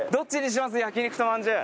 焼肉とまんじゅう。